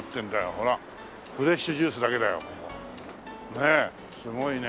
ねえすごいね。